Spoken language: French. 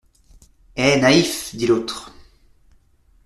Eh ! naïfs, dit l'autre.